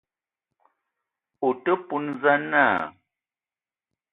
O te poun za na?